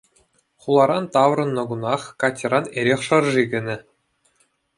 Хуларан таврӑннӑ кунах Катьӑран эрех шӑрши кӗнӗ.